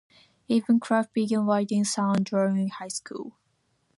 Evan Craft began writing songs during high school.